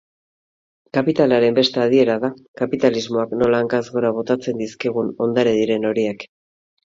Kapitalaren beste adiera da kapitalismoak nola hankaz gora botatzen dizkigun ondare diren horiek.